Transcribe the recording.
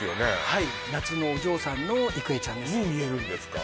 はい「夏のお嬢さん」の郁恵ちゃんですに見えるんですか？